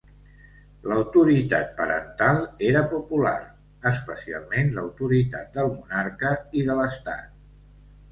L'autoritat parental era popular, especialment l'autoritat del monarca i de l'estat.